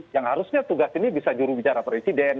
yang harusnya tugas ini bisa jurubicara presiden